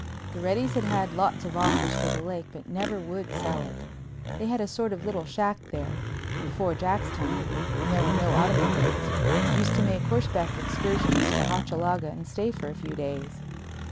The Reddys had had lots of offers for the lake but never would sell it. They had a sort of little shack there and before Jack's time, when there were no automobiles, used to make horseback excursions to Hochalaga and stay for a few days.